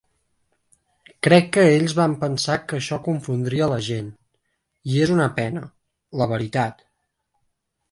Crec que ells van pensar que això confondria a la gent, i és una pena, la veritat.